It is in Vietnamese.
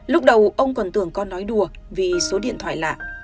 lúc đầu ông còn tưởng con nói đùa vì số điện thoại lạ